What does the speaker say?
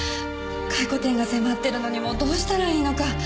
回顧展が迫ってるのにもうどうしたらいいのか。